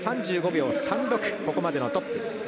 ３５秒３６、ここまでのトップ。